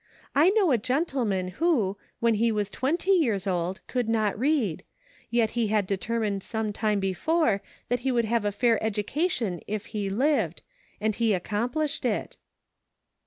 I know a gentleman who, when he was twenty years old, could not read ; yet he had determined some time before, that he would have a fair education if he lived ; and he accom plished it."